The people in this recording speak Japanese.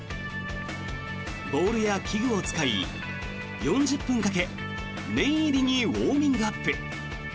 ボールや器具を使い４０分かけ念入りにウォーミングアップ。